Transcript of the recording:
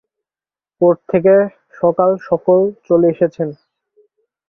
Court থেকে সকাল-সকল চলে এসেছেন।